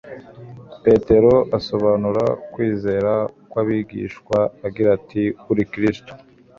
Petero asobanura kwizera kw'abigishwa agira ati: "Uri kristo."